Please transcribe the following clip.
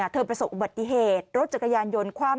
ประสบอุบัติเหตุรถจักรยานยนต์คว่ำ